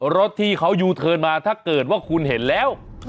รถที่เขายูเทิร์นมาถ้าเกิดว่าคุณเห็นแล้ว